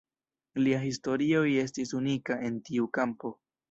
Lia Historioj estis unika en tiu kampo.